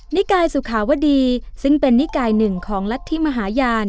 นิกายสุขาวดีซึ่งเป็นนิกายหนึ่งของรัฐธิมหาญาณ